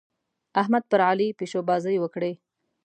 احمد پر علي پيشوبازۍ وکړې.